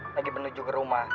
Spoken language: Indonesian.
lagi menuju ke rumah